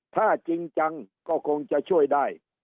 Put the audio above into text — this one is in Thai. ถ้าจริงจังก็คงจะช่วยได้